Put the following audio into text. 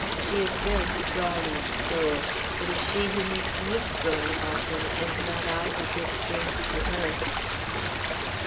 She is very strong of soul. It is she who makes me strong often, and not I who give strength to her."